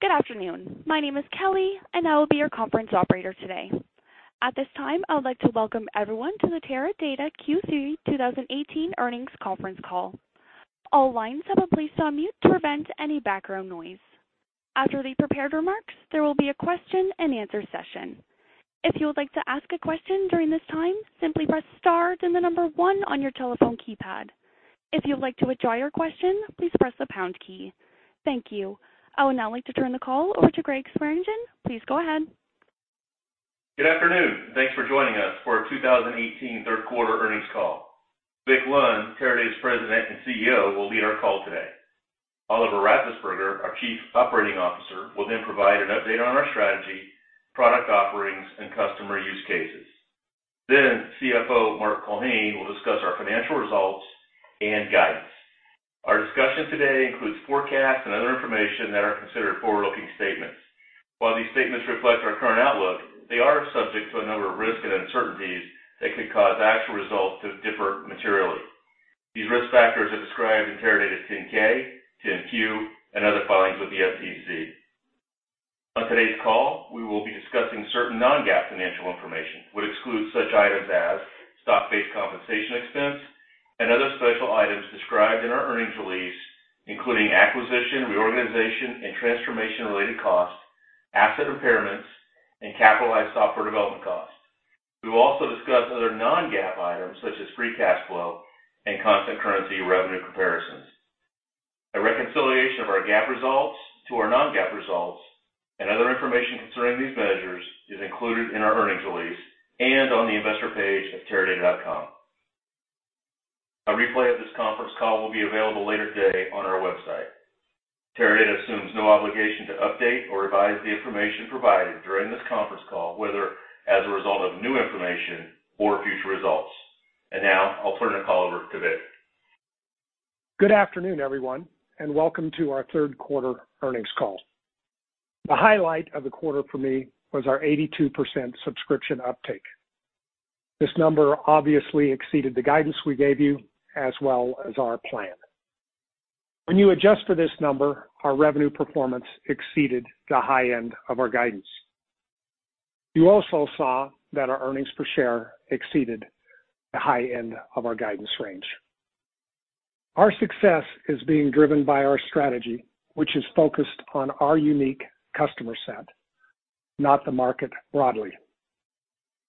Good afternoon. My name is Kelly and I will be your conference operator today. At this time, I would like to welcome everyone to the Teradata Q3 2018 earnings conference call. All lines have been placed on mute to prevent any background noise. After the prepared remarks, there will be a question and answer session. If you would like to ask a question during this time, simply press star, then the number one on your telephone keypad. If you would like to withdraw your question, please press the pound key. Thank you. I would now like to turn the call over to Gregg Swearingen. Please go ahead. Good afternoon. Thanks for joining us for our 2018 third quarter earnings call. Vic Lund, Teradata's President and CEO, will lead our call today. Oliver Ratzesberger, our Chief Operating Officer, will then provide an update on our strategy, product offerings, and customer use cases. CFO Mark Culhane will discuss our financial results and guidance. Our discussion today includes forecasts and other information that are considered forward-looking statements. While these statements reflect our current outlook, they are subject to a number of risks and uncertainties that could cause actual results to differ materially. These risk factors are described in Teradata's 10-K, 10-Q, and other filings with the SEC. On today's call, we will be discussing certain non-GAAP financial information, which excludes such items as stock-based compensation expense and other special items described in our earnings release, including acquisition, reorganization, and transformation-related costs, asset impairments, and capitalized software development costs. We will also discuss other non-GAAP items such as free cash flow and constant currency revenue comparisons. A reconciliation of our GAAP results to our non-GAAP results and other information concerning these measures is included in our earnings release and on the investor page at teradata.com. A replay of this conference call will be available later today on our website. Teradata assumes no obligation to update or revise the information provided during this conference call, whether as a result of new information or future results. Now I'll turn the call over to Vic. Good afternoon, everyone, and welcome to our third quarter earnings call. The highlight of the quarter for me was our 82% subscription uptake. This number obviously exceeded the guidance we gave you as well as our plan. When you adjust for this number, our revenue performance exceeded the high end of our guidance. You also saw that our earnings per share exceeded the high end of our guidance range. Our success is being driven by our strategy, which is focused on our unique customer set, not the market broadly.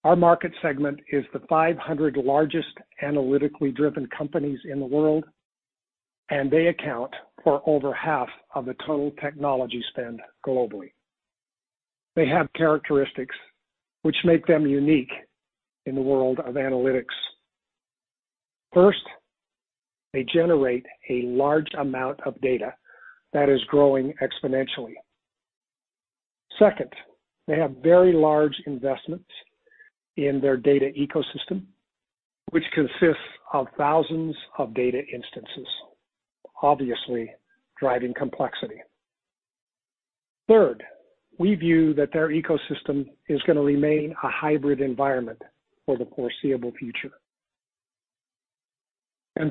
Our market segment is the 500 largest analytically driven companies in the world, and they account for over half of the total technology spend globally. They have characteristics which make them unique in the world of analytics. First, they generate a large amount of data that is growing exponentially. Second, they have very large investments in their data ecosystem, which consists of thousands of data instances, obviously driving complexity. Third, we view that their ecosystem is going to remain a hybrid environment for the foreseeable future.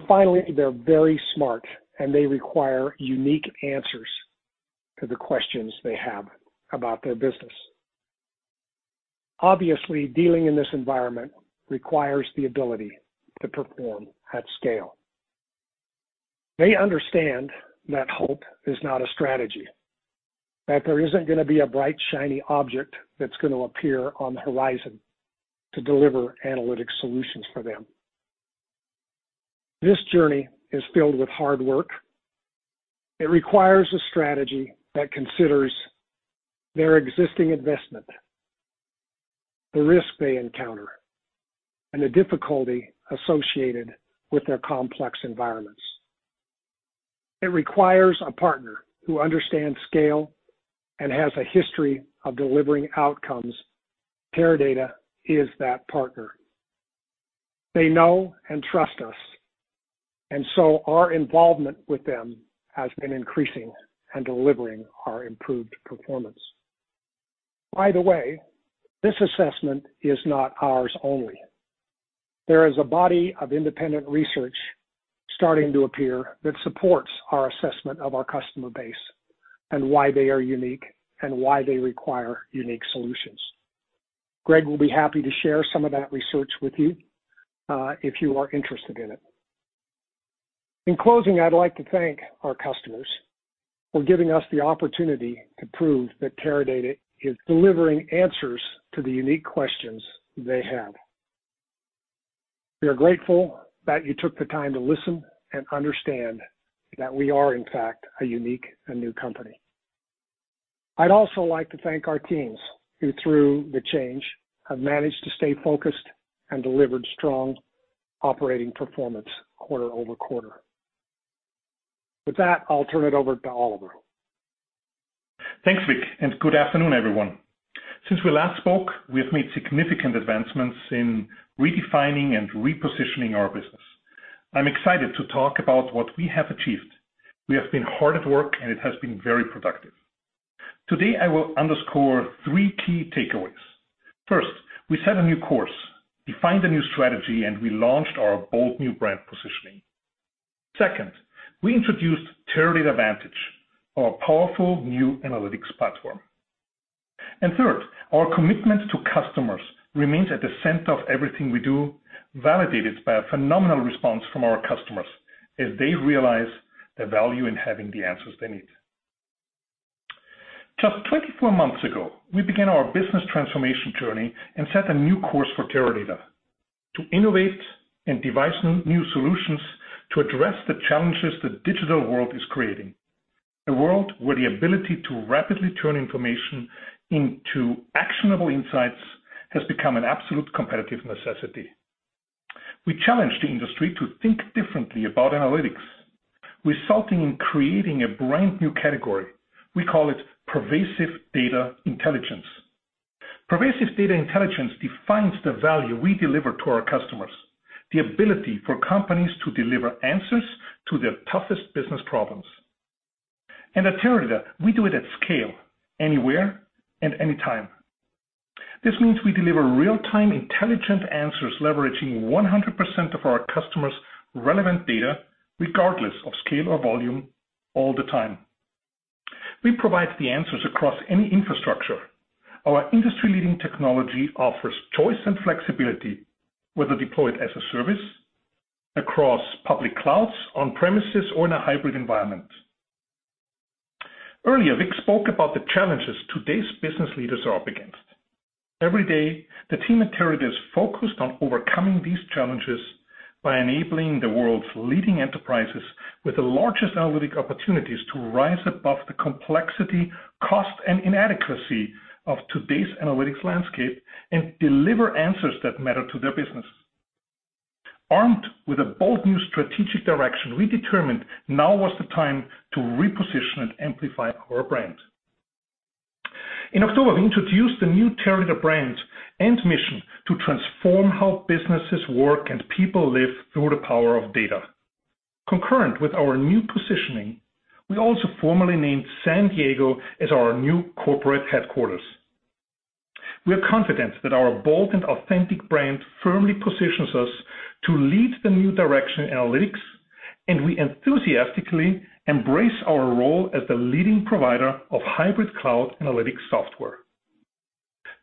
Finally, they're very smart, and they require unique answers to the questions they have about their business. Obviously, dealing in this environment requires the ability to perform at scale. They understand that hope is not a strategy, that there isn't going to be a bright, shiny object that's going to appear on the horizon to deliver analytic solutions for them. This journey is filled with hard work. It requires a strategy that considers their existing investment, the risk they encounter, and the difficulty associated with their complex environments. It requires a partner who understands scale and has a history of delivering outcomes. Teradata is that partner. They know and trust us, so our involvement with them has been increasing and delivering our improved performance. By the way, this assessment is not ours only. There is a body of independent research starting to appear that supports our assessment of our customer base and why they are unique and why they require unique solutions. Gregg will be happy to share some of that research with you if you are interested in it. In closing, I'd like to thank our customers for giving us the opportunity to prove that Teradata is delivering answers to the unique questions they have. We are grateful that you took the time to listen and understand that we are in fact a unique and new company. I'd also like to thank our teams who, through the change, have managed to stay focused and delivered strong operating performance quarter-over-quarter. With that, I'll turn it over to Oliver. Thanks, Vic, and good afternoon, everyone. Since we last spoke, we have made significant advancements in redefining and repositioning our business. I'm excited to talk about what we have achieved. We have been hard at work, and it has been very productive. Today, I will underscore three key takeaways. First, we set a new course, defined a new strategy, we launched our bold new brand positioning. Second, we introduced Teradata Vantage, our powerful new analytics platform. Third, our commitment to customers remains at the center of everything we do, validated by a phenomenal response from our customers as they realize the value in having the answers they need. Just 24 months ago, we began our business transformation journey and set a new course for Teradata to innovate and devise new solutions to address the challenges the digital world is creating. A world where the ability to rapidly turn information into actionable insights has become an absolute competitive necessity. We challenged the industry to think differently about analytics, resulting in creating a brand-new category. We call it Pervasive Data Intelligence. Pervasive Data Intelligence defines the value we deliver to our customers, the ability for companies to deliver answers to their toughest business problems. At Teradata, we do it at scale, anywhere, and anytime. This means we deliver real-time intelligent answers leveraging 100% of our customers' relevant data, regardless of scale or volume, all the time. We provide the answers across any infrastructure. Our industry-leading technology offers choice and flexibility, whether deployed as a service, across public clouds, on premises, or in a hybrid environment. Earlier, Vic spoke about the challenges today's business leaders are up against. Every day, the team at Teradata is focused on overcoming these challenges by enabling the world's leading enterprises with the largest analytic opportunities to rise above the complexity, cost, and inadequacy of today's analytics landscape and deliver answers that matter to their business. Armed with a bold new strategic direction, we determined now was the time to reposition and amplify our brand. In October, we introduced the new Teradata brand and mission to transform how businesses work and people live through the power of data. Concurrent with our new positioning, we also formally named San Diego as our new corporate headquarters. We are confident that our bold and authentic brand firmly positions us to lead the new direction in analytics, and we enthusiastically embrace our role as the leading provider of hybrid cloud analytic software.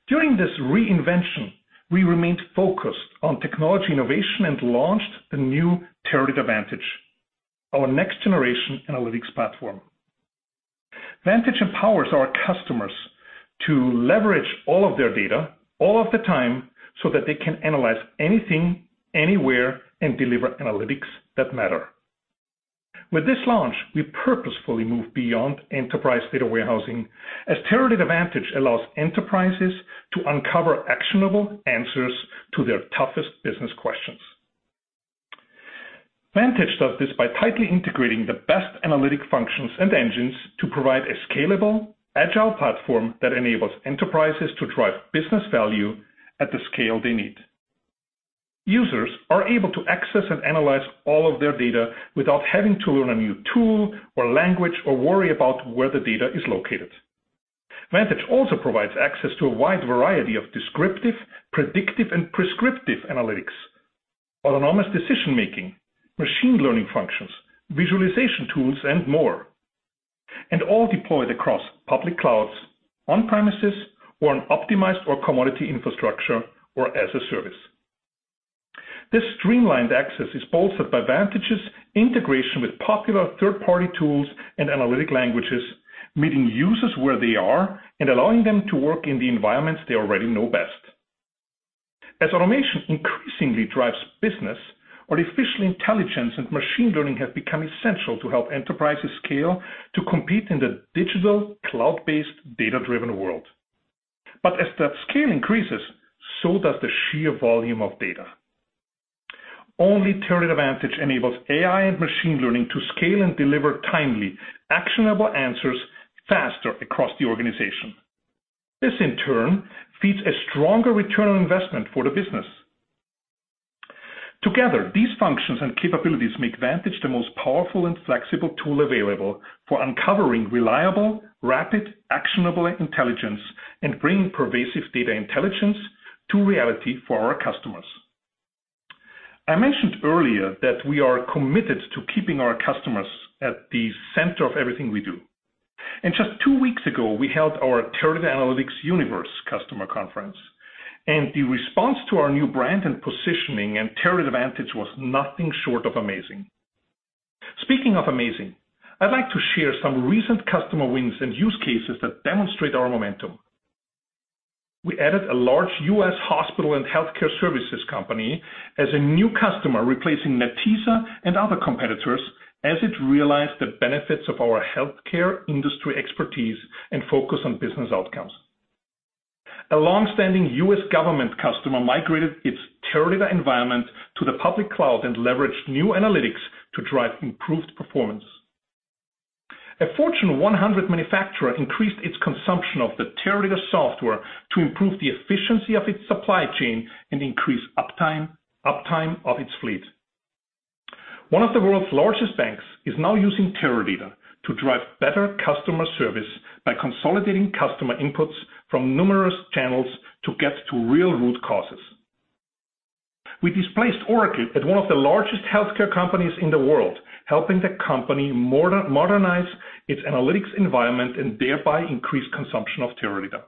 During this reinvention, we remained focused on technology innovation and launched the new Teradata Vantage, our next generation analytics platform. Vantage empowers our customers to leverage all of their data, all of the time, so that they can analyze anything, anywhere and deliver analytics that matter. With this launch, we purposefully move beyond enterprise data warehousing as Teradata Vantage allows enterprises to uncover actionable answers to their toughest business questions. Vantage does this by tightly integrating the best analytic functions and engines to provide a scalable, agile platform that enables enterprises to drive business value at the scale they need. Users are able to access and analyze all of their data without having to learn a new tool or language, or worry about where the data is located. Vantage also provides access to a wide variety of descriptive, predictive, and prescriptive analytics, autonomous decision-making, machine learning functions, visualization tools, and more, all deployed across public clouds, on premises, or on optimized or commodity infrastructure, or as a service. This streamlined access is bolstered by Vantage's integration with popular third-party tools and analytic languages, meeting users where they are and allowing them to work in the environments they already know best. As automation increasingly drives business, artificial intelligence and machine learning have become essential to help enterprises scale to compete in the digital, cloud-based, data-driven world. As that scale increases, so does the sheer volume of data. Only Teradata Vantage enables AI and machine learning to scale and deliver timely, actionable answers faster across the organization. This, in turn, feeds a stronger return on investment for the business. Together, these functions and capabilities make Vantage the most powerful and flexible tool available for uncovering reliable, rapid, actionable intelligence and bringing Pervasive Data Intelligence to reality for our customers. I mentioned earlier that we are committed to keeping our customers at the center of everything we do. Just two weeks ago, we held our Teradata Analytics Universe customer conference, and the response to our new brand and positioning and Teradata Vantage was nothing short of amazing. Speaking of amazing, I'd like to share some recent customer wins and use cases that demonstrate our momentum. We added a large U.S. hospital and healthcare services company as a new customer, replacing Netezza and other competitors, as it realized the benefits of our healthcare industry expertise and focus on business outcomes. A longstanding U.S. government customer migrated its Teradata environment to the public cloud and leveraged new analytics to drive improved performance. A Fortune 100 manufacturer increased its consumption of the Teradata software to improve the efficiency of its supply chain and increase uptime of its fleet. One of the world's largest banks is now using Teradata to drive better customer service by consolidating customer inputs from numerous channels to get to real root causes. We displaced Oracle at one of the largest healthcare companies in the world, helping the company modernize its analytics environment and thereby increase consumption of Teradata.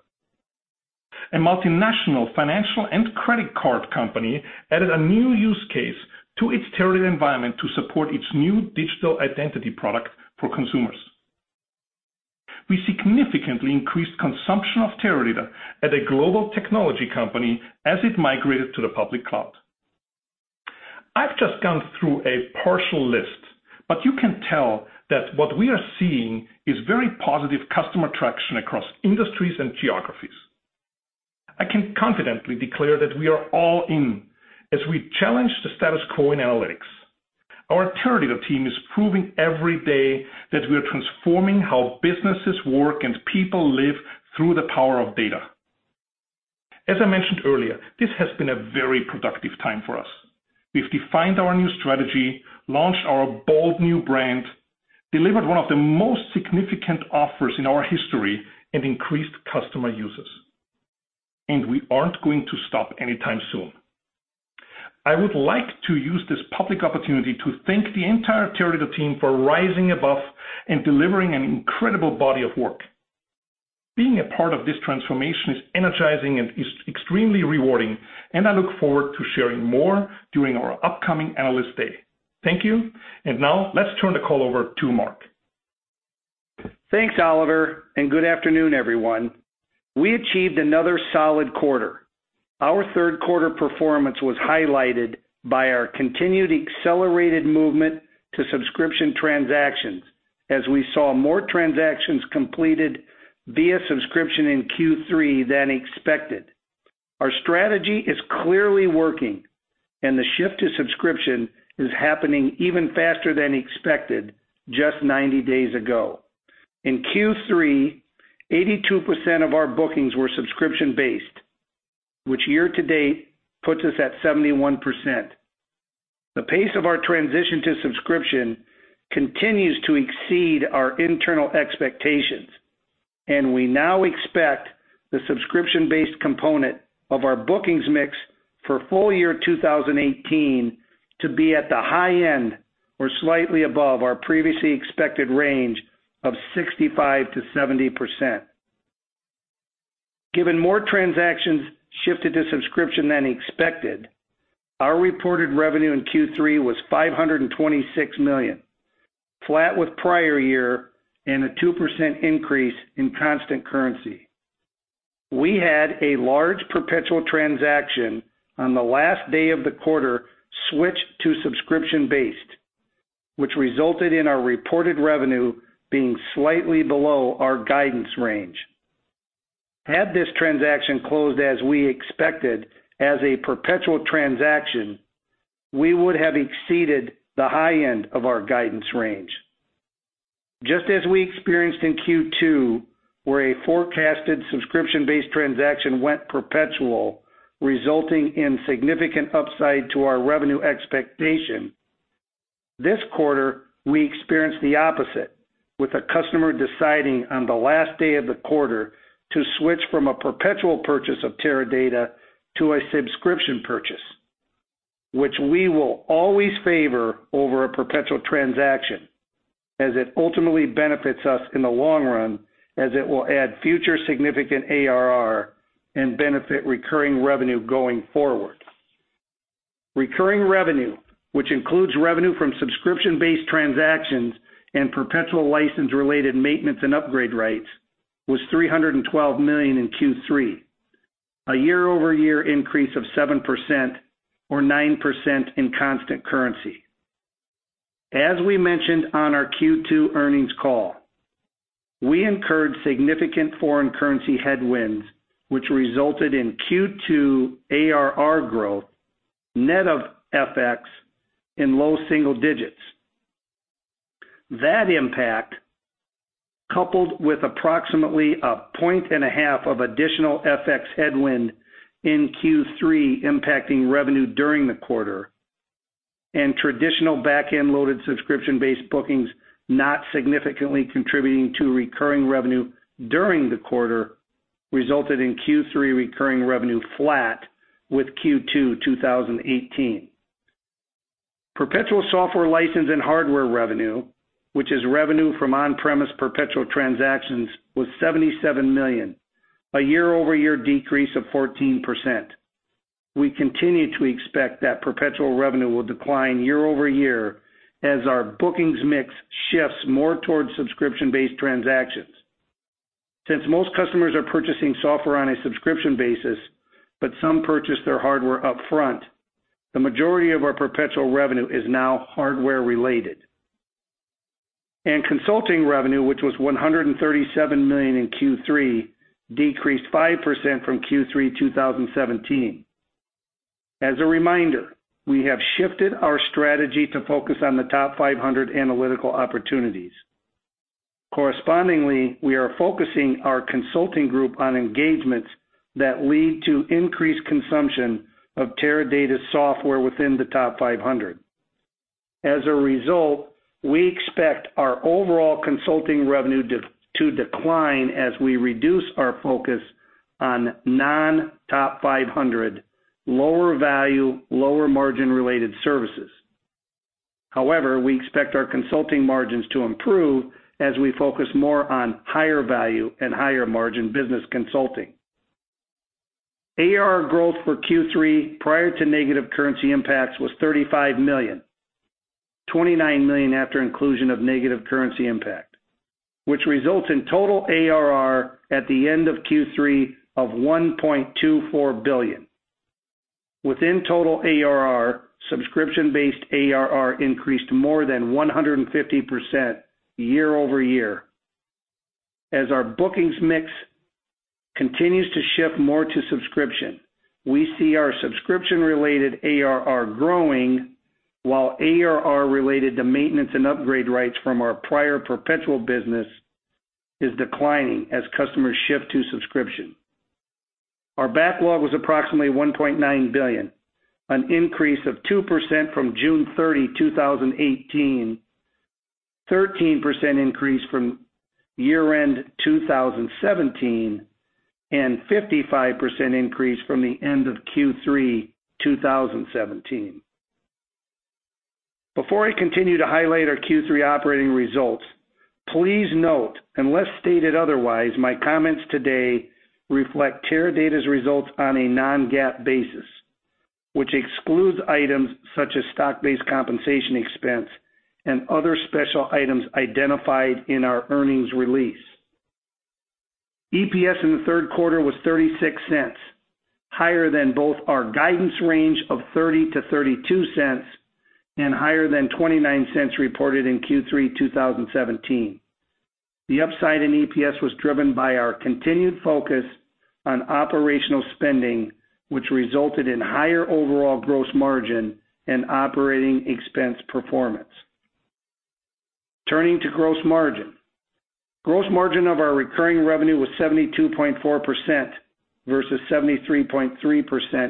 A multinational financial and credit card company added a new use case to its Teradata environment to support its new digital identity product for consumers. We significantly increased consumption of Teradata at a global technology company as it migrated to the public cloud. I've just gone through a partial list, you can tell that what we are seeing is very positive customer traction across industries and geographies. I can confidently declare that we are all in as we challenge the status quo in analytics. Our Teradata team is proving every day that we are transforming how businesses work and people live through the power of data. As I mentioned earlier, this has been a very productive time for us. We've defined our new strategy, launched our bold new brand, delivered one of the most significant offers in our history, and increased customer usage. We aren't going to stop anytime soon. I would like to use this public opportunity to thank the entire Teradata team for rising above and delivering an incredible body of work. Being a part of this transformation is energizing and extremely rewarding, and I look forward to sharing more during our upcoming Analyst Day. Thank you. Now let's turn the call over to Mark. Thanks, Oliver, and good afternoon, everyone. We achieved another solid quarter. Our third quarter performance was highlighted by our continued accelerated movement to subscription transactions as we saw more transactions completed via subscription in Q3 than expected. Our strategy is clearly working. The shift to subscription is happening even faster than expected just 90 days ago. In Q3, 82% of our bookings were subscription-based, which year to date puts us at 71%. The pace of our transition to subscription continues to exceed our internal expectations, and we now expect the subscription-based component of our bookings mix for full year 2018 to be at the high end or slightly above our previously expected range of 65%-70%. Given more transactions shifted to subscription than expected, our reported revenue in Q3 was $526 million, flat with prior year and a 2% increase in constant currency. We had a large perpetual transaction on the last day of the quarter switched to subscription-based, which resulted in our reported revenue being slightly below our guidance range. Had this transaction closed as we expected as a perpetual transaction, we would have exceeded the high end of our guidance range. Just as we experienced in Q2, where a forecasted subscription-based transaction went perpetual, resulting in significant upside to our revenue expectation, this quarter, we experienced the opposite, with a customer deciding on the last day of the quarter to switch from a perpetual purchase of Teradata to a subscription purchase, which we will always favor over a perpetual transaction as it ultimately benefits us in the long run as it will add future significant ARR and benefit recurring revenue going forward. Recurring revenue, which includes revenue from subscription-based transactions and perpetual license-related maintenance and upgrade rights, was $312 million in Q3, a year-over-year increase of 7% or 9% in constant currency. As we mentioned on our Q2 earnings call, we incurred significant foreign currency headwinds, which resulted in Q2 ARR growth net of FX in low single digits. That impact, coupled with approximately a point and a half of additional FX headwind in Q3 impacting revenue during the quarter, and traditional back-end-loaded subscription-based bookings not significantly contributing to recurring revenue during the quarter, resulted in Q3 recurring revenue flat with Q2 2018. Perpetual software license and hardware revenue, which is revenue from on-premise perpetual transactions, was $77 million, a year-over-year decrease of 14%. We continue to expect that perpetual revenue will decline year-over-year as our bookings mix shifts more towards subscription-based transactions. Since most customers are purchasing software on a subscription basis, but some purchase their hardware upfront, the majority of our perpetual revenue is now hardware-related. Consulting revenue, which was $137 million in Q3, decreased 5% from Q3 2017. As a reminder, we have shifted our strategy to focus on the top 500 analytical opportunities. Correspondingly, we are focusing our consulting group on engagements that lead to increased consumption of Teradata software within the top 500. As a result, we expect our overall consulting revenue to decline as we reduce our focus on non-top 500, lower value, lower margin related services. However, we expect our consulting margins to improve as we focus more on higher value and higher margin business consulting. ARR growth for Q3, prior to negative currency impacts, was $35 million. $29 million after inclusion of negative currency impact, which results in total ARR at the end of Q3 of $1.24 billion. Within total ARR, subscription-based ARR increased more than 150% year-over-year. As our bookings mix continues to shift more to subscription, we see our subscription related ARR growing while ARR related to maintenance and upgrade rights from our prior perpetual business is declining as customers shift to subscription. Our backlog was approximately $1.9 billion, an increase of 2% from June 30, 2018, 13% increase from year-end 2017, and 55% increase from the end of Q3 2017. Before I continue to highlight our Q3 operating results, please note, unless stated otherwise, my comments today reflect Teradata's results on a non-GAAP basis, which excludes items such as stock-based compensation expense and other special items identified in our earnings release. EPS in the third quarter was $0.36, higher than both our guidance range of $0.30-$0.32, and higher than $0.29 reported in Q3 2017. The upside in EPS was driven by our continued focus on operational spending, which resulted in higher overall gross margin and operating expense performance. Turning to gross margin. Gross margin of our recurring revenue was 72.4% versus 73.3%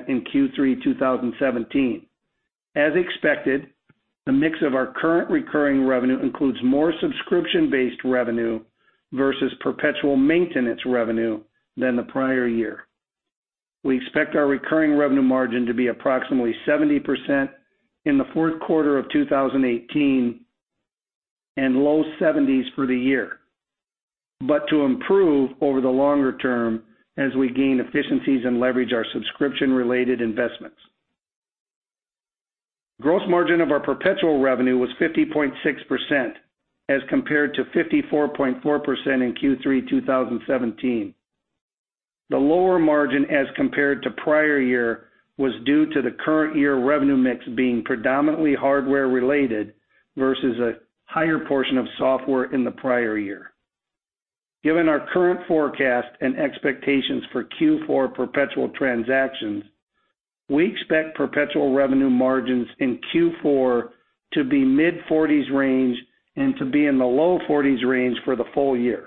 in Q3 2017. As expected, the mix of our current recurring revenue includes more subscription-based revenue versus perpetual maintenance revenue than the prior year. We expect our recurring revenue margin to be approximately 70% in the fourth quarter of 2018 and low 70s for the year, but to improve over the longer term as we gain efficiencies and leverage our subscription related investments. Gross margin of our perpetual revenue was 50.6% as compared to 54.4% in Q3 2017. The lower margin as compared to prior year, was due to the current year revenue mix being predominantly hardware related versus a higher portion of software in the prior year. Given our current forecast and expectations for Q4 perpetual transactions, we expect perpetual revenue margins in Q4 to be mid-40s range and to be in the low 40s range for the full year.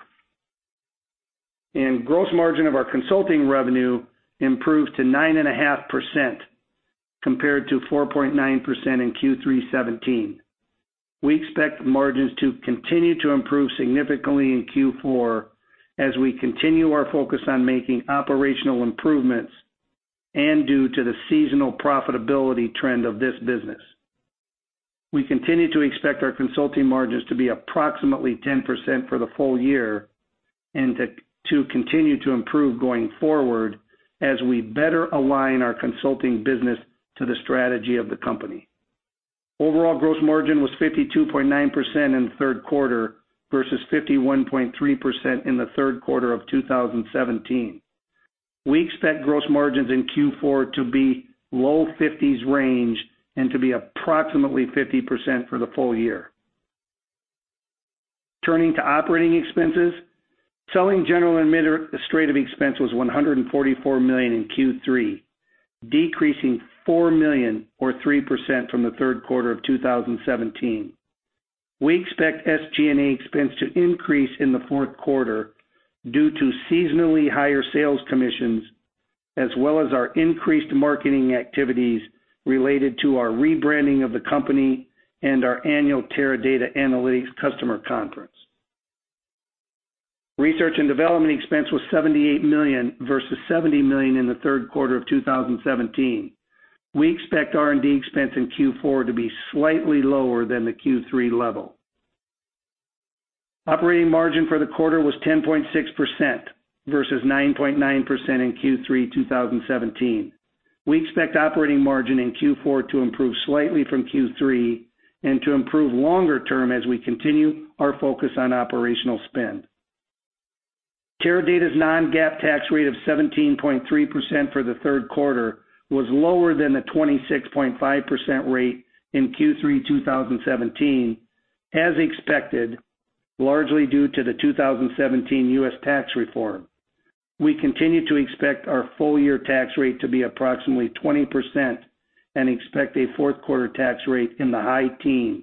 Gross margin of our consulting revenue improved to 9.5%, compared to 4.9% in Q3 2017. We expect margins to continue to improve significantly in Q4 as we continue our focus on making operational improvements and due to the seasonal profitability trend of this business. We continue to expect our consulting margins to be approximately 10% for the full year, and to continue to improve going forward as we better align our consulting business to the strategy of the company. Overall gross margin was 52.9% in the third quarter versus 51.3% in the third quarter of 2017. We expect gross margins in Q4 to be low 50s range and to be approximately 50% for the full year. Turning to operating expenses. Selling, general, and administrative expense was $144 million in Q3, decreasing $4 million or 3% from the third quarter of 2017. We expect SG&A expense to increase in the fourth quarter due to seasonally higher sales commissions, as well as our increased marketing activities related to our rebranding of the company and our annual Teradata Analytics customer conference. Research and development expense was $78 million versus $70 million in the third quarter of 2017. We expect R&D expense in Q4 to be slightly lower than the Q3 level. Operating margin for the quarter was 10.6% versus 9.9% in Q3 2017. We expect operating margin in Q4 to improve slightly from Q3 and to improve longer term as we continue our focus on operational spend. Teradata's non-GAAP tax rate of 17.3% for the third quarter was lower than the 26.5% rate in Q3 2017, as expected, largely due to the 2017 U.S. tax reform. We continue to expect our full year tax rate to be approximately 20% and expect a fourth quarter tax rate in the high teens.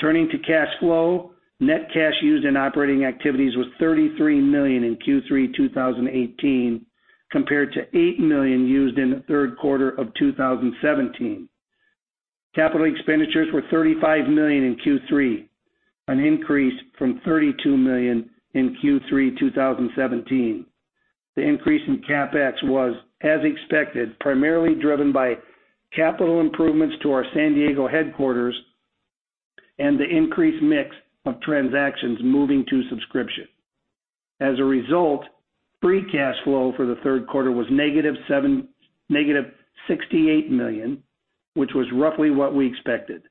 Turning to cash flow, net cash used in operating activities was $33 million in Q3 2018, compared to $8 million used in the third quarter of 2017. Capital expenditures were $35 million in Q3, an increase from $32 million in Q3 2017. The increase in CapEx was, as expected, primarily driven by capital improvements to our San Diego headquarters and the increased mix of transactions moving to subscription. As a result, free cash flow for the third quarter was negative $68 million, which was roughly what we expected.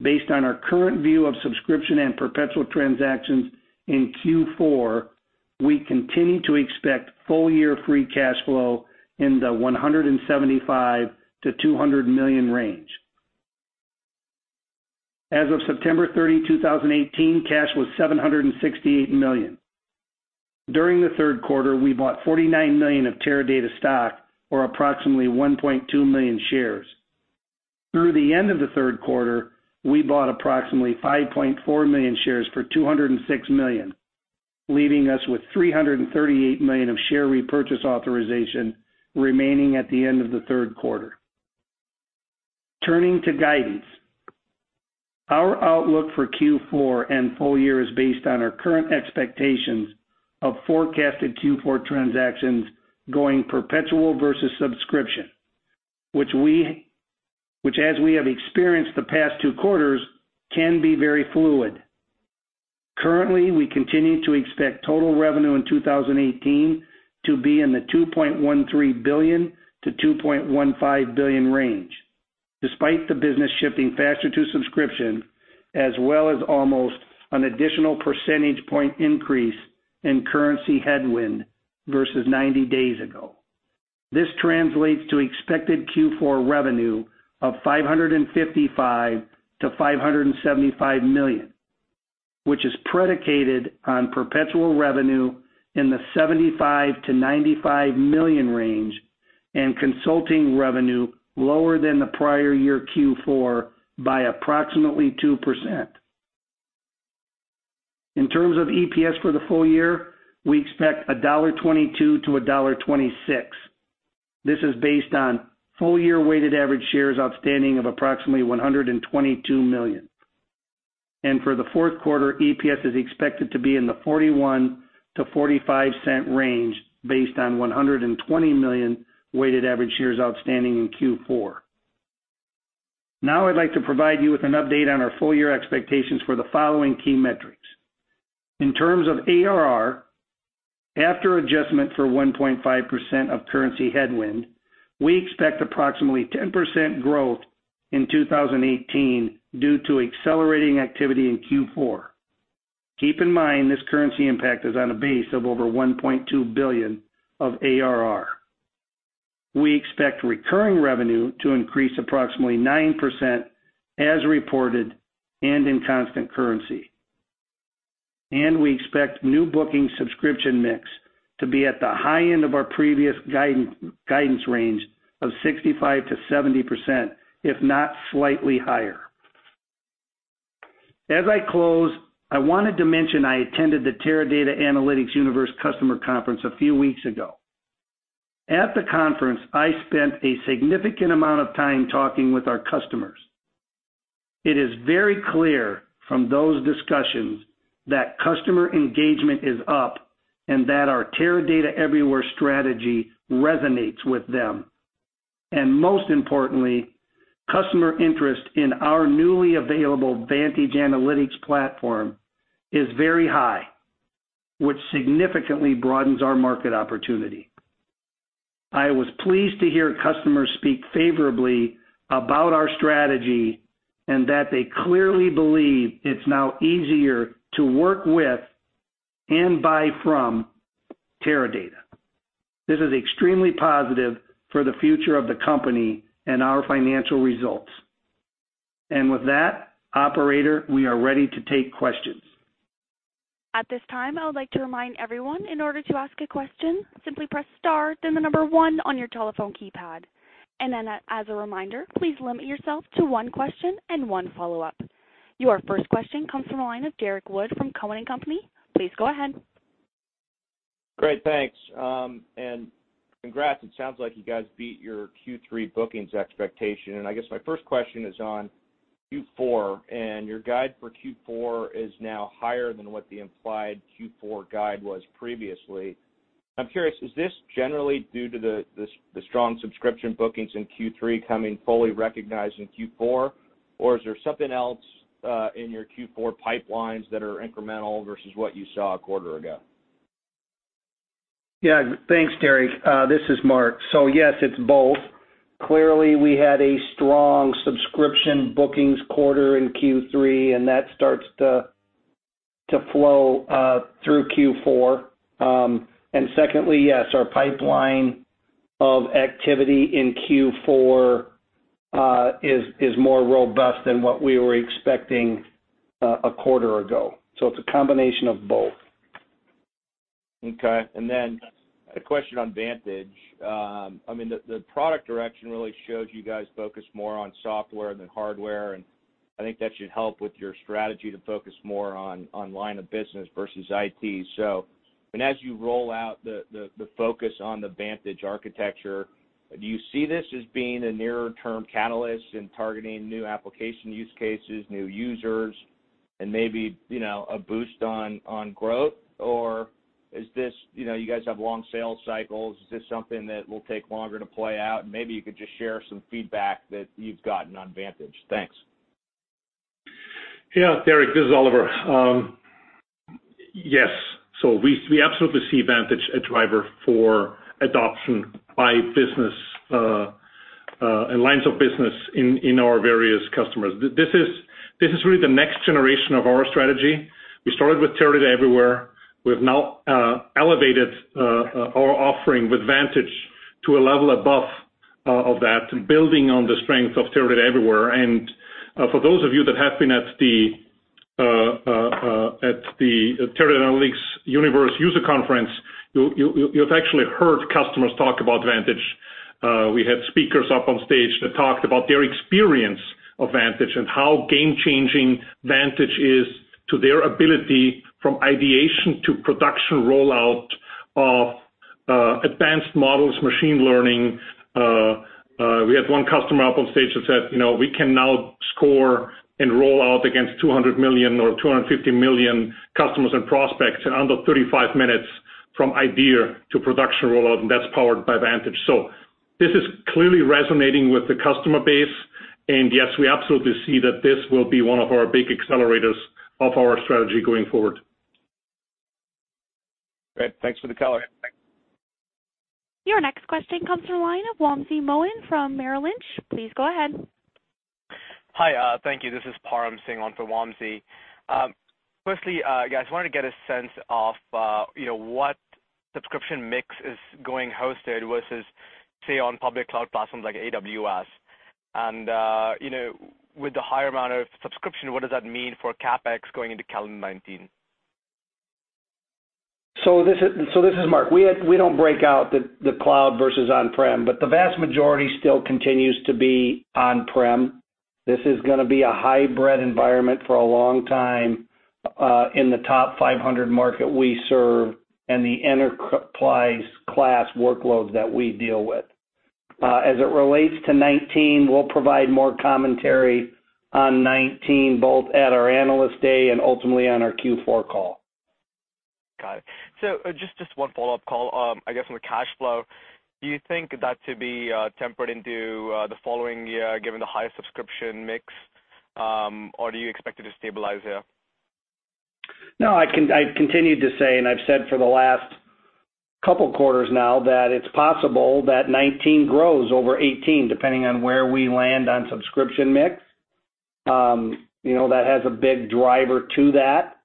Based on our current view of subscription and perpetual transactions in Q4, we continue to expect full year free cash flow in the $175 million-$200 million range. As of September 30, 2018, cash was $768 million. During the third quarter, we bought $49 million of Teradata stock, or approximately 1.2 million shares. Through the end of the third quarter, we bought approximately 5.4 million shares for $206 million, leaving us with $338 million of share repurchase authorization remaining at the end of the third quarter. Turning to guidance. Our outlook for Q4 and full year is based on our current expectations of forecasted Q4 transactions going perpetual versus subscription, which as we have experienced the past two quarters, can be very fluid. Currently, we continue to expect total revenue in 2018 to be in the $2.13 billion-$2.15 billion range, despite the business shifting faster to subscription, as well as almost an additional percentage point increase in currency headwind versus 90 days ago. This translates to expected Q4 revenue of $555 million-$575 million, which is predicated on perpetual revenue in the $75 million-$95 million range, and consulting revenue lower than the prior year Q4 by approximately 2%. In terms of EPS for the full year, we expect $1.22-$1.26. This is based on full year weighted average shares outstanding of approximately 122 million. For the fourth quarter, EPS is expected to be in the $0.41-$0.45 range based on 120 million weighted average shares outstanding in Q4. Now I'd like to provide you with an update on our full year expectations for the following key metrics. In terms of ARR, after adjustment for 1.5% of currency headwind, we expect approximately 10% growth in 2018 due to accelerating activity in Q4. Keep in mind, this currency impact is on a base of over $1.2 billion of ARR. We expect recurring revenue to increase approximately 9% as reported and in constant currency. We expect new booking subscription mix to be at the high end of our previous guidance range of 65%-70%, if not slightly higher. As I close, I wanted to mention I attended the Teradata Analytics Universe Customer Conference a few weeks ago. At the conference, I spent a significant amount of time talking with our customers. It is very clear from those discussions that customer engagement is up and that our Teradata Everywhere strategy resonates with them. Most importantly, customer interest in our newly available Vantage Analytics platform is very high, which significantly broadens our market opportunity. I was pleased to hear customers speak favorably about our strategy, and that they clearly believe it's now easier to work with and buy from Teradata. This is extremely positive for the future of the company and our financial results. With that, operator, we are ready to take questions. At this time, I would like to remind everyone, in order to ask a question, simply press star then 1 on your telephone keypad. Then as a reminder, please limit yourself to 1 question and 1 follow-up. Your first question comes from the line of Derrick Wood from Cowen and Company. Please go ahead. Great. Thanks, congrats. It sounds like you guys beat your Q3 bookings expectation. I guess my first question is on Q4, your guide for Q4 is now higher than what the implied Q4 guide was previously. I'm curious, is this generally due to the strong subscription bookings in Q3 coming fully recognized in Q4, or is there something else in your Q4 pipelines that are incremental versus what you saw a quarter ago? Yeah. Thanks, Derrick. This is Mark. Yes, it's both. Clearly, we had a strong subscription bookings quarter in Q3, that starts to flow through Q4. Secondly, yes, our pipeline of activity in Q4 is more robust than what we were expecting a quarter ago. It's a combination of both. A question on Vantage. The product direction really showed you guys focus more on software than hardware, and I think that should help with your strategy to focus more on line of business versus IT. As you roll out the focus on the Vantage architecture, do you see this as being a nearer term catalyst in targeting new application use cases, new users, and maybe a boost on growth? You guys have long sales cycles, is this something that will take longer to play out? Maybe you could just share some feedback that you've gotten on Vantage. Thanks. Yes, Derrick, this is Oliver. Yes. We absolutely see Vantage a driver for adoption by business, and lines of business in our various customers. This is really the next generation of our strategy. We started with Teradata Everywhere. We've now elevated our offering with Vantage to a level above of that, building on the strength of Teradata Everywhere. For those of you that have been at the Teradata Analytics Universe user conference, you've actually heard customers talk about Vantage. We had speakers up on stage that talked about their experience of Vantage and how game-changing Vantage is to their ability from ideation to production rollout of advanced models, machine learning. We had one customer up on stage that said, "We can now score and roll out against 200 million or 250 million customers and prospects in under 35 minutes from idea to production rollout," and that's powered by Vantage. This is clearly resonating with the customer base. Yes, we absolutely see that this will be one of our big accelerators of our strategy going forward. Great. Thanks for the color. Thanks. Your next question comes from the line of Wamsi Mohan from Merrill Lynch. Please go ahead. Hi. Thank you. This is Param sitting on for Wamsi. Firstly, guys, wanted to get a sense of what subscription mix is going hosted versus say on public cloud platforms like AWS. With the higher amount of subscription, what does that mean for CapEx going into calendar 2019? This is Mark. We don't break out the cloud versus on-prem, the vast majority still continues to be on-prem. This is going to be a hybrid environment for a long time, in the Fortune 500 market we serve, and the enterprise class workloads that we deal with. As it relates to 2019, we'll provide more commentary on 2019, both at our Analyst Day and ultimately on our Q4 call. Got it. Just one follow-up call, I guess on the cash flow. Do you think that to be tempered into the following year, given the higher subscription mix? Or do you expect it to stabilize here? No, I've continued to say, and I've said for the last couple quarters now, that it's possible that 2019 grows over 2018, depending on where we land on subscription mix. That has a big driver to that,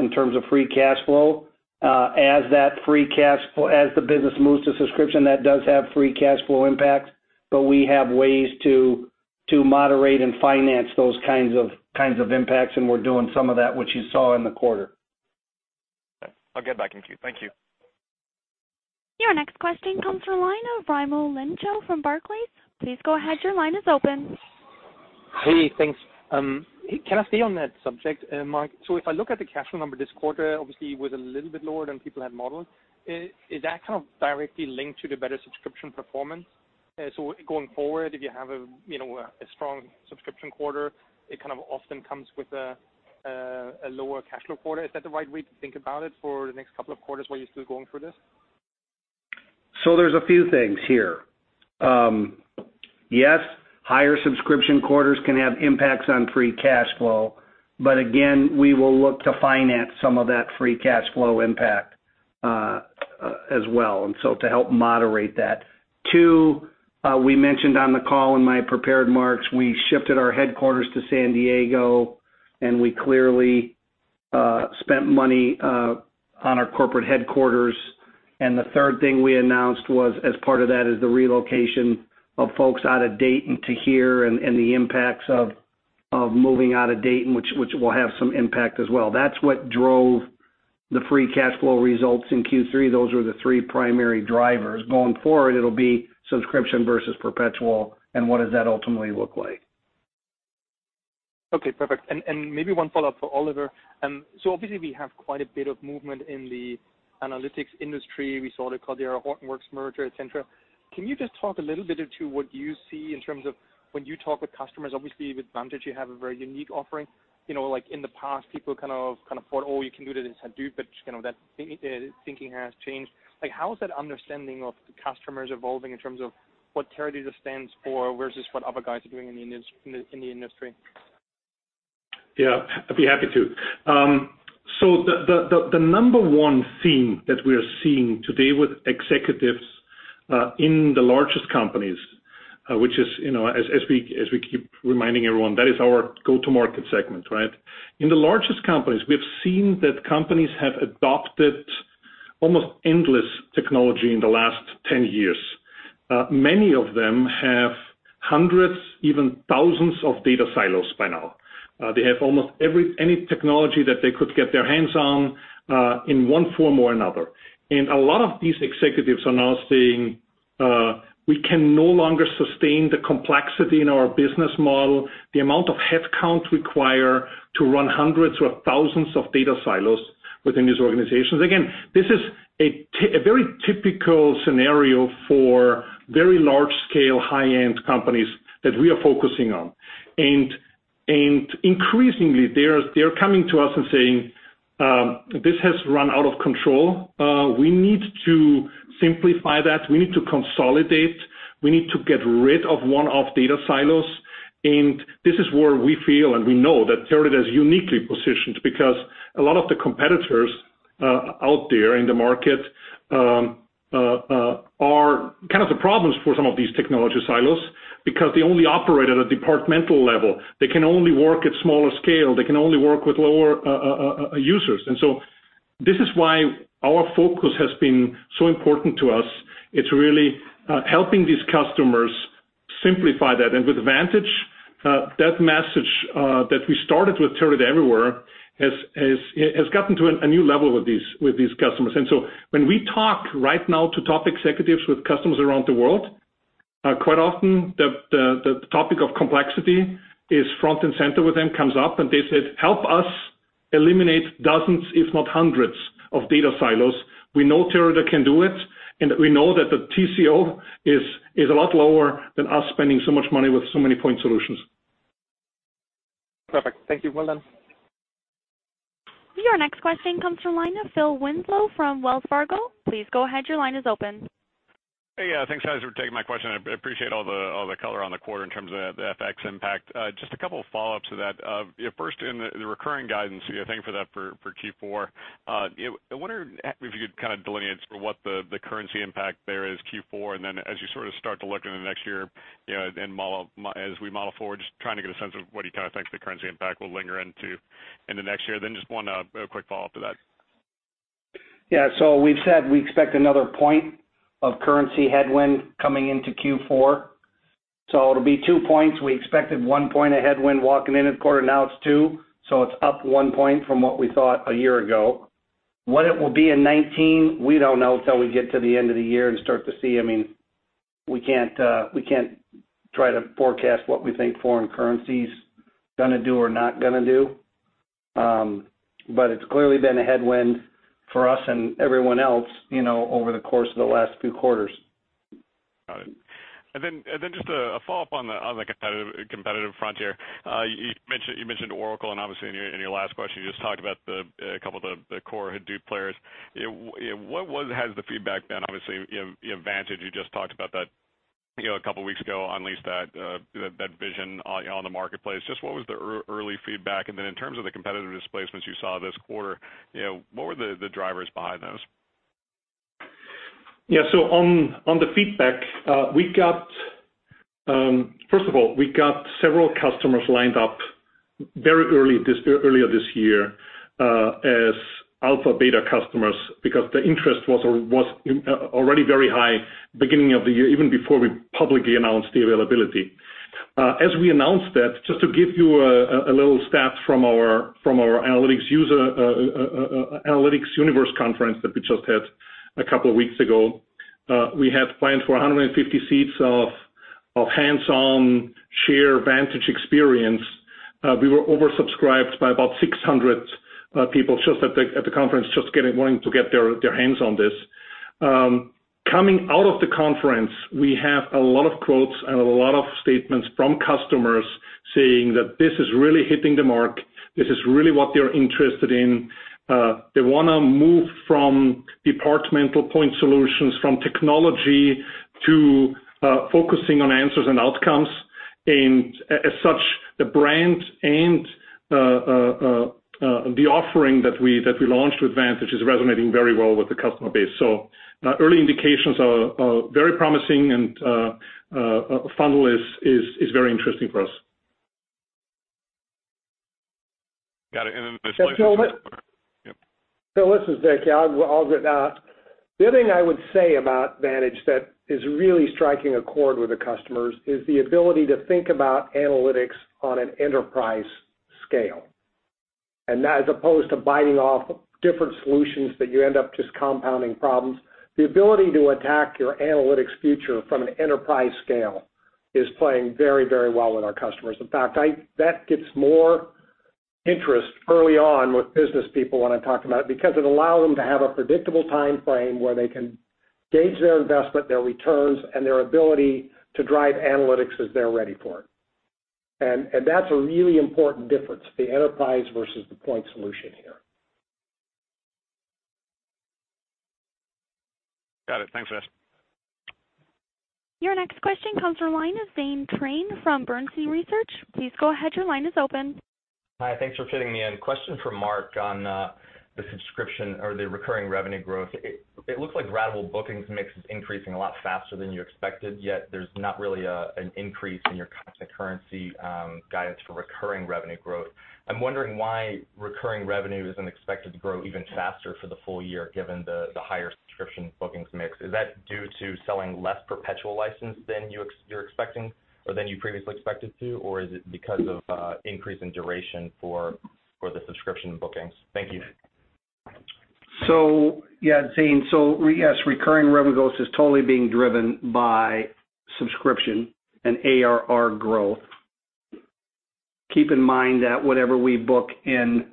in terms of free cash flow. As the business moves to subscription, that does have free cash flow impacts, but we have ways to moderate and finance those kinds of impacts, and we're doing some of that, which you saw in the quarter. Okay. I'll get back in queue. Thank you. Your next question comes from the line of Raimo Lenschow from Barclays. Please go ahead, your line is open. Hey, thanks. Can I stay on that subject, Mark? If I look at the cash flow number this quarter, obviously it was a little bit lower than people had modeled. Is that kind of directly linked to the better subscription performance? Going forward, if you have a strong subscription quarter, it kind of often comes with a lower cash flow quarter. Is that the right way to think about it for the next couple of quarters while you're still going through this? There's a few things here. Yes, higher subscription quarters can have impacts on free cash flow. Again, we will look to finance some of that free cash flow impact as well to help moderate that. Two, we mentioned on the call in my prepared marks, we shifted our headquarters to San Diego, and we clearly spent money on our corporate headquarters. The third thing we announced was, as part of that, is the relocation of folks out of Dayton to here, and the impacts of moving out of Dayton, which will have some impact as well. That's what drove the free cash flow results in Q3. Those were the three primary drivers. Going forward, it'll be subscription versus perpetual and what does that ultimately look like. Okay, perfect. Maybe one follow-up for Oliver. Obviously we have quite a bit of movement in the analytics industry. We saw the Cloudera-Hortonworks merger, et cetera. Can you just talk a little bit into what you see in terms of when you talk with customers? Obviously with Vantage, you have a very unique offering. In the past, people kind of thought, "Oh, you can do this in Hadoop," but just that thinking has changed. How is that understanding of the customers evolving in terms of what Teradata stands for versus what other guys are doing in the industry? Yeah, I'd be happy to. The number one theme that we are seeing today with executives in the largest companies, which is, as we keep reminding everyone, that is our go-to-market segment, right? In the largest companies, we have seen that companies have adopted almost endless technology in the last 10 years. Many of them have hundreds, even thousands of data silos by now. They have almost any technology that they could get their hands on in one form or another. A lot of these executives are now saying, "We can no longer sustain the complexity in our business model, the amount of headcounts required to run hundreds or thousands of data silos within these organizations." Again, this is a very typical scenario for very large-scale, high-end companies that we are focusing on. Increasingly, they're coming to us and saying, "This has run out of control. We need to simplify that. We need to consolidate. We need to get rid of one-off data silos." This is where we feel, and we know that Teradata is uniquely positioned, because a lot of the competitors out there in the market are the problems for some of these technology silos, because they only operate at a departmental level. They can only work at smaller scale. They can only work with lower users. This is why our focus has been so important to us. It's really helping these customers simplify that. With Vantage, that message that we started with Teradata Everywhere has gotten to a new level with these customers. When we talk right now to top executives with customers around the world, quite often the topic of complexity is front and center with them, comes up, and they said, "Help us eliminate dozens, if not hundreds of data silos. We know Teradata can do it, and we know that the TCO is a lot lower than us spending so much money with so many point solutions. Perfect. Thank you. Well done. Your next question comes from the line of Philip Winslow from Wells Fargo. Please go ahead, your line is open. Hey. Thanks, guys, for taking my question. I appreciate all the color on the quarter in terms of the FX impact. Just a couple of follow-ups to that. First, in the recurring guidance, thank you for that for Q4. I wonder if you could delineate for what the currency impact there is Q4, and as you start to look into the next year, as we model forward, just trying to get a sense of what you think the currency impact will linger into the next year. Just one quick follow-up to that. Yeah. We've said we expect another point of currency headwind coming into Q4. It'll be two points. We expected one point of headwind walking into the quarter, now it's two, so it's up one point from what we thought a year ago. What it will be in 2019, we don't know until we get to the end of the year and start to see. We can't try to forecast what we think foreign currency's going to do or not going to do. It's clearly been a headwind for us and everyone else over the course of the last few quarters. Got it. Just a follow-up on the competitive frontier. You mentioned Oracle. Obviously, in your last question, you just talked about a couple of the core Hadoop players. What has the feedback been? Obviously, Vantage, you just talked about that a couple of weeks ago, unleashed that vision on the marketplace. Just what was the early feedback? In terms of the competitive displacements you saw this quarter, what were the drivers behind those? Yeah. On the feedback, first of all, we got several customers lined up very earlier this year as alpha/beta customers because the interest was already very high beginning of the year, even before we publicly announced the availability. As we announced that, just to give you a little stat from our Teradata Analytics Universe Conference that we just had a couple of weeks ago. We had planned for 150 seats of hands-on share Vantage experience. We were oversubscribed by about 600 people just at the conference, just wanting to get their hands on this. Coming out of the conference, we have a lot of quotes and a lot of statements from customers saying that this is really hitting the mark. This is really what they're interested in. They want to move from departmental point solutions, from technology to focusing on answers and outcomes. As such, the brand and the offering that we launched with Vantage is resonating very well with the customer base. Early indications are very promising and funnel is very interesting for us. Got it. Phil, this is Vic. The other thing I would say about Vantage that is really striking a chord with the customers is the ability to think about analytics on an enterprise scale. As opposed to biting off different solutions that you end up just compounding problems, the ability to attack your analytics future from an enterprise scale is playing very well with our customers. In fact, that gets more interest early on with business people when I talk about it, because it allows them to have a predictable time frame where they can gauge their investment, their returns, and their ability to drive analytics as they're ready for it. That's a really important difference, the enterprise versus the point solution here. Got it. Thanks, guys. Your next question comes from the line of Zane Chrane from Bernstein Research. Please go ahead, your line is open. Hi, thanks for fitting me in. Question for Mark on the subscription or the recurring revenue growth. It looks like ratable bookings mix is increasing a lot faster than you expected, yet there's not really an increase in your constant currency guidance for recurring revenue growth. I'm wondering why recurring revenue isn't expected to grow even faster for the full year, given the higher subscription bookings mix. Is that due to selling less perpetual license than you're expecting, or than you previously expected to? Or is it because of increase in duration for the subscription bookings? Thank you. Yeah, Zane. Yes, recurring revenue growth is totally being driven by subscription and ARR growth. Keep in mind that whatever we book in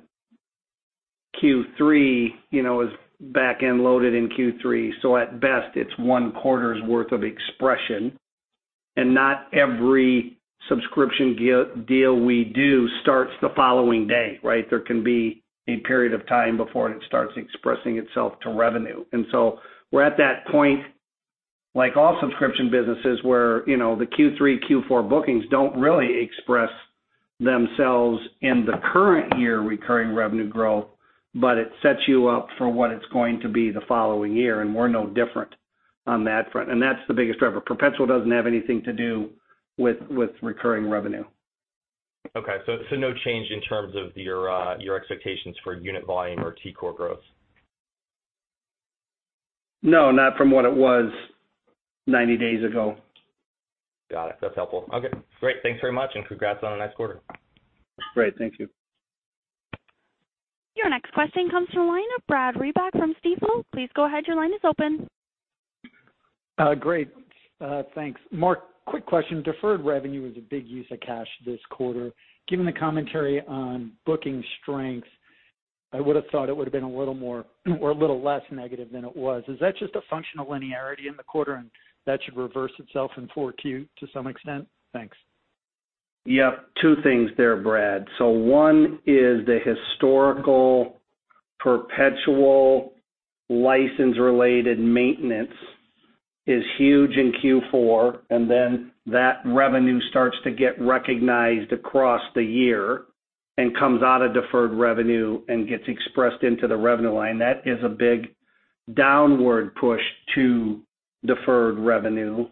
Q3, is back-end loaded in Q3, so at best, it's one quarter's worth of expression. Not every subscription deal we do starts the following day, right? There can be a period of time before it starts expressing itself to revenue. We're at that point, like all subscription businesses, where the Q3, Q4 bookings don't really express themselves in the current year recurring revenue growth, but it sets you up for what it's going to be the following year, and we're no different on that front. That's the biggest driver. Perpetual doesn't have anything to do with recurring revenue. No change in terms of your expectations for unit volume or TCore growth. No, not from what it was 90 days ago. Got it. That's helpful. Okay, great. Thanks very much, and congrats on a nice quarter. Great, thank you. Your next question comes from the line of Brad Reback from Stifel. Please go ahead, your line is open. Great, thanks. Mark, quick question. Deferred revenue is a big use of cash this quarter. Given the commentary on booking strength, I would've thought it would've been a little more or a little less negative than it was. Is that just a functional linearity in the quarter, and that should reverse itself in 4Q to some extent? Thanks. Yep. Two things there, Brad. One is the historical perpetual license-related maintenance is huge in Q4. That revenue starts to get recognized across the year and comes out of deferred revenue and gets expressed into the revenue line. That is a big downward push to deferred revenue.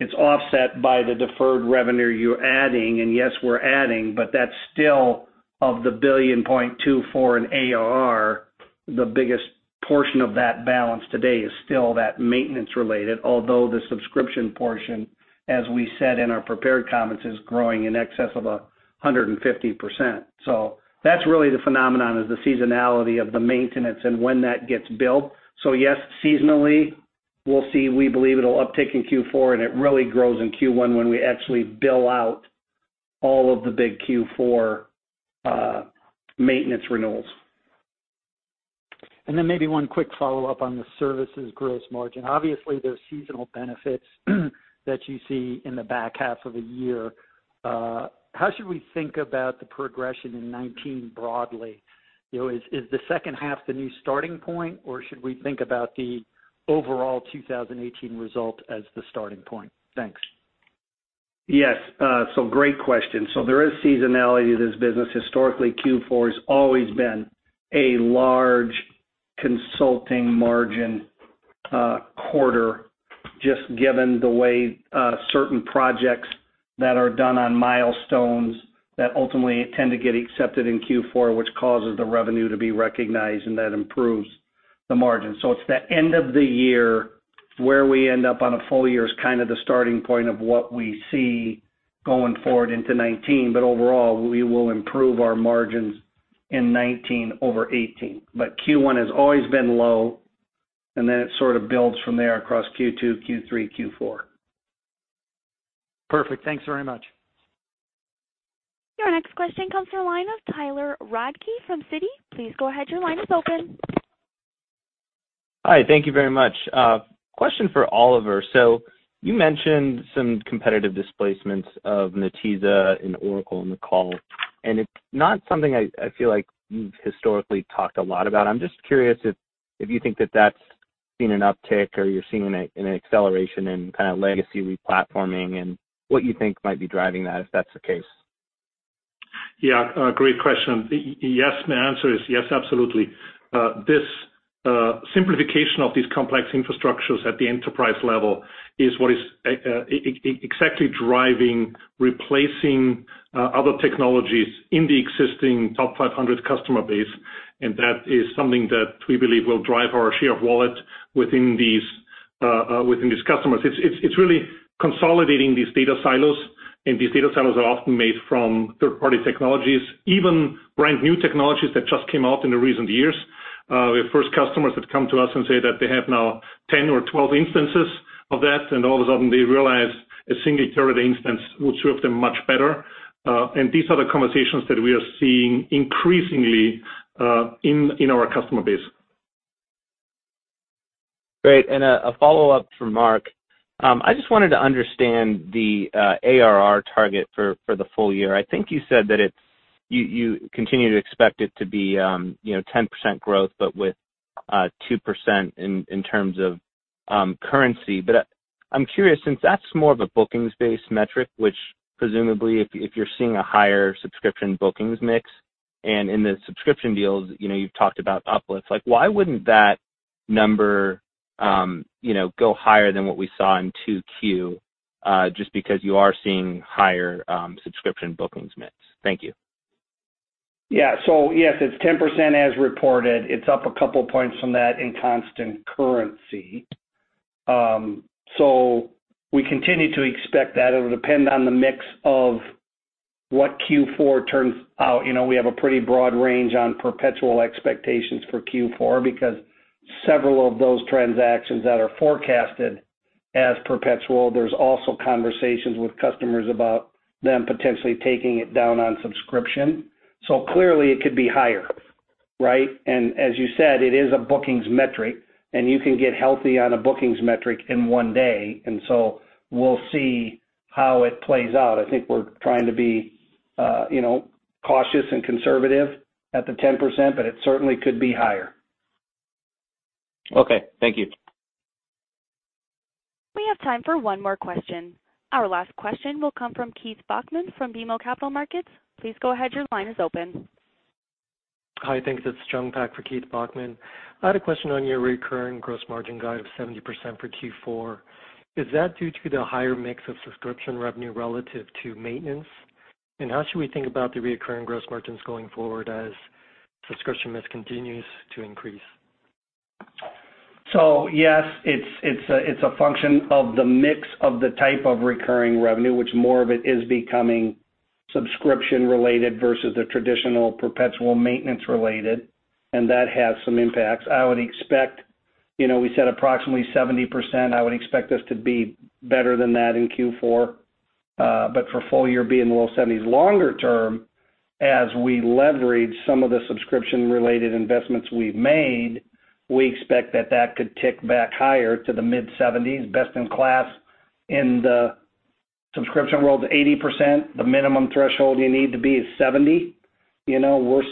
It's offset by the deferred revenue you're adding. Yes, we're adding, but that's still of the $1.2 billion for an ARR. The biggest portion of that balance today is still that maintenance related, although the subscription portion, as we said in our prepared comments, is growing in excess of 150%. That's really the phenomenon, is the seasonality of the maintenance and when that gets billed. Yes, seasonally, we'll see. We believe it'll uptick in Q4, and it really grows in Q1 when we actually bill out all of the big Q4 maintenance renewals. Maybe one quick follow-up on the services gross margin. Obviously, there's seasonal benefits that you see in the back half of the year. How should we think about the progression in 2019 broadly? Is the second half the new starting point, or should we think about the overall 2018 result as the starting point? Thanks. Yes, great question. There is seasonality to this business. Historically, Q4 has always been a large consulting margin quarter, just given the way certain projects that are done on milestones that ultimately tend to get accepted in Q4, which causes the revenue to be recognized. That improves the margin. It's the end of the year. Where we end up on a full year is kind of the starting point of what we see going forward into 2019. Overall, we will improve our margins in 2019 over 2018. Q1 has always been low. It sort of builds from there across Q2, Q3, Q4. Perfect. Thanks very much. Your next question comes from the line of Tyler Radke from Citi. Please go ahead, your line is open. Hi, thank you very much. Question for Oliver. You mentioned some competitive displacements of Netezza and Oracle. It's not something I feel like you've historically talked a lot about. I'm just curious if you think that that's seen an uptick or you're seeing an acceleration in kind of legacy replatforming, and what you think might be driving that, if that's the case. Yeah, great question. Yes, my answer is yes, absolutely. This simplification of these complex infrastructures at the enterprise level is what is exactly driving replacing other technologies in the existing top 500 customer base, that is something that we believe will drive our share of wallet within these customers. It's really consolidating these data silos, these data silos are often made from third-party technologies, even brand-new technologies that just came out in the recent years. We have first customers that come to us and say that they have now 10 or 12 instances of that, and all of a sudden they realize a single Teradata instance would serve them much better. These are the conversations that we are seeing increasingly in our customer base. Great, a follow-up for Mark. I just wanted to understand the ARR target for the full year. I think you said that you continue to expect it to be 10% growth, but with 2% Currency. I'm curious, since that's more of a bookings-based metric, which presumably if you're seeing a higher subscription bookings mix, and in the subscription deals, you've talked about uplifts. Why wouldn't that number go higher than what we saw in 2Q, just because you are seeing higher subscription bookings mix? Thank you. Yeah. Yes, it's 10% as reported. It's up a couple points from that in constant currency. We continue to expect that. It'll depend on the mix of what Q4 turns out. We have a pretty broad range on perpetual expectations for Q4 because several of those transactions that are forecasted as perpetual, there's also conversations with customers about them potentially taking it down on subscription. Clearly it could be higher, right? As you said, it is a bookings metric, and you can get healthy on a bookings metric in one day, and so we'll see how it plays out. I think we're trying to be cautious and conservative at the 10%, but it certainly could be higher. Okay, thank you. We have time for one more question. Our last question will come from Keith Bachman from BMO Capital Markets. Please go ahead, your line is open. Hi, thanks. It's Jamshed Jungpakal for Keith Bachman. I had a question on your recurring gross margin guide of 70% for Q4. Is that due to the higher mix of subscription revenue relative to maintenance? How should we think about the recurring gross margins going forward as subscription mix continues to increase? Yes, it's a function of the mix of the type of recurring revenue, which more of it is becoming subscription related versus the traditional perpetual maintenance related, and that has some impacts. We said approximately 70%. I would expect us to be better than that in Q4. For full year, be in the low 70s. Longer term, as we leverage some of the subscription-related investments we've made, we expect that that could tick back higher to the mid-70s. Best in class in the subscription world is 80%. The minimum threshold you need to be is 70. We're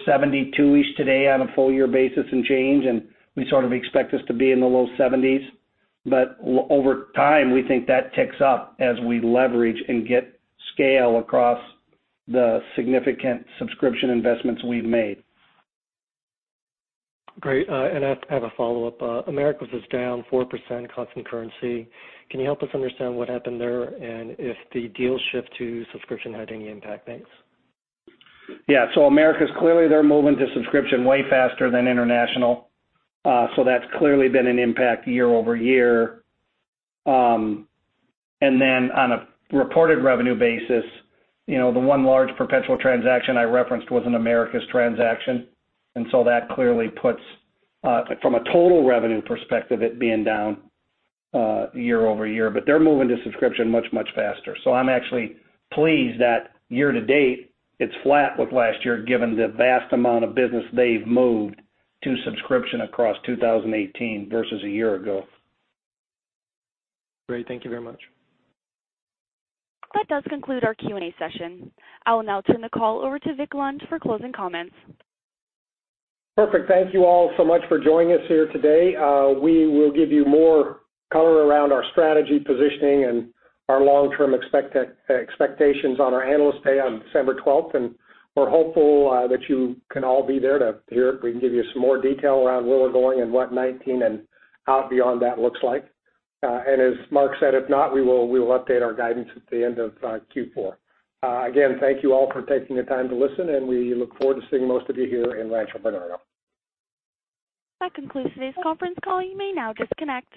72-ish today on a full year basis and change, and we sort of expect this to be in the low 70s. Over time, we think that ticks up as we leverage and get scale across the significant subscription investments we've made. Great. I have a follow-up. Americas is down 4% constant currency. Can you help us understand what happened there and if the deal shift to subscription had any impact? Thanks. Yeah. Americas, clearly they're moving to subscription way faster than international. That's clearly been an impact year-over-year. Then on a reported revenue basis, the one large perpetual transaction I referenced was an Americas transaction. That clearly puts, from a total revenue perspective, it being down year-over-year. They're moving to subscription much, much faster. I'm actually pleased that year to date, it's flat with last year, given the vast amount of business they've moved to subscription across 2018 versus a year ago. Great. Thank you very much. That does conclude our Q&A session. I will now turn the call over to Vic Lund for closing comments. Perfect. Thank you all so much for joining us here today. We will give you more color around our strategy positioning and our long-term expectations on our Analyst Day on December 12th. We're hopeful that you can all be there to hear it. We can give you some more detail around where we're going in what 2019 and out beyond that looks like. As Mark said, if not, we will update our guidance at the end of Q4. Again, thank you all for taking the time to listen, and we look forward to seeing most of you here in Rancho Bernardo. That concludes today's conference call. You may now disconnect.